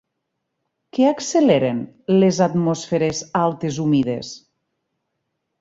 Què acceleren les atmosferes altes humides?